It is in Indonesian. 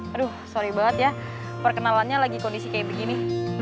aduh sorry banget ya perkenalannya lagi kondisi kayak begini